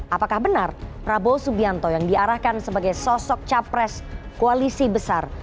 apakah benar prabowo subianto yang diarahkan sebagai sosok capres koalisi besar